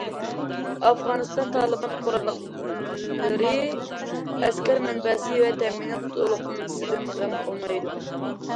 ئافغانىستان تالىبان قوراللىقلىرى ئەسكەر مەنبەسى ۋە تەمىنات تولۇقلىمىسىدىن غەم قىلمايدۇ.